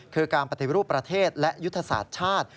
คือการปฏิรูปประเทศและยุทธศาสตร์ชาติ